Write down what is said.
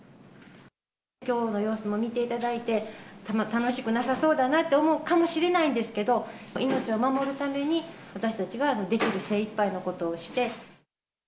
きょうの様子も見ていただいて、楽しくなさそうだなと思うかもしれないんですけど、命を守るために、私たちはできる精いっぱいのことをして。